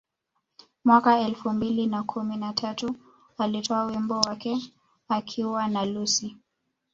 Mwaka elfu mbili na kumi na tatu alitoa wimbo wake akiwa na Lucci